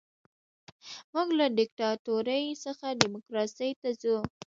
موږ له دیکتاتورۍ څخه ډیموکراسۍ ته ځو.